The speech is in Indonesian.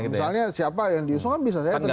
misalnya siapa yang diusung kan bisa saja terjadi